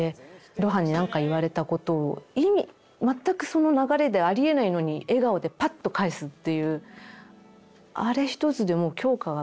露伴に何か言われたことを意味全くその流れでありえないのに笑顔でパッと返すという。